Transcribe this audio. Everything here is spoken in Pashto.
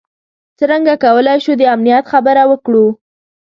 څرنګه کولای شو د امنیت خبره وکړو.